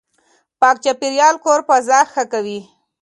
پاک چاپېريال کور فضا ښه کوي.